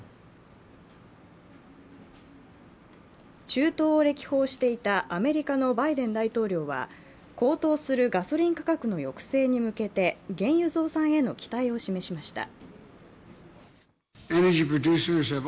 中東を歴訪していたアメリカのバイデン大統領は高騰するガソリン価格の抑制に向けて原油増産への期待を示しました。